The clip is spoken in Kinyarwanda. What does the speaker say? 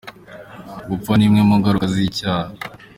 Gupfa ni imwe mu ngaruka z’icyaha.